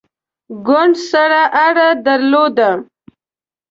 ګوند سره اړه درلوده.